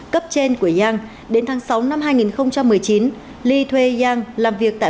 cấp trên của yang đến tháng sáu năm hai nghìn một mươi chín li thuê yang làm việc